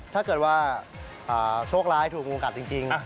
ถ้าเกิดว่าโชคร้ายถูกงูกัดจริง